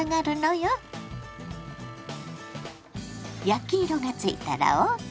焼き色がついたらＯＫ。